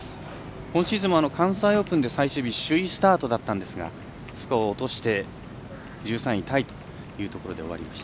今シーズンも関西オープンで最終日首位スタートだったんですがスコアを落として１３位タイというところで終わりました。